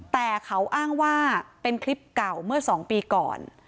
แต่เขาอ้างว่าเป็นคลิปเก่าเมื่อ๒ปีก่อน